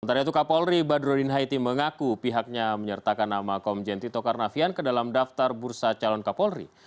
sementara itu kapolri badrodin haiti mengaku pihaknya menyertakan nama komjen tito karnavian ke dalam daftar bursa calon kapolri